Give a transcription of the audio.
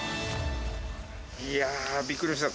いやー、びっくりした。